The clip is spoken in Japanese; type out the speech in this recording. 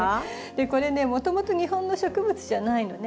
これねもともと日本の植物じゃないのね。